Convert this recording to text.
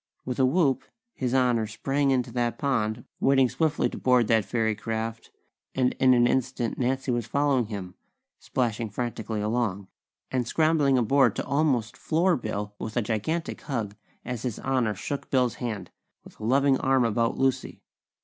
With a whoop His Honor sprang into that pond, wading swiftly to board that fairy craft; and in an instant Nancy was following him, splashing frantically along, and scrambling aboard to almost floor Bill with a gigantic hug as His Honor shook Bill's hand, with a loving arm about Lucy.